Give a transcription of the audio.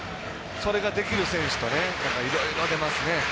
それができる選手といろいろ出ますね。